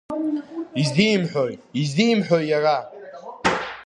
Изимҳәои, изимҳәои иара…